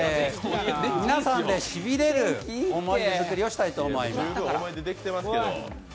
皆さんで、しびれる思い出作りをしたいと思います。